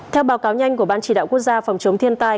theo báo cáo nhanh của ban chỉ đạo quốc gia phòng chống thiên tai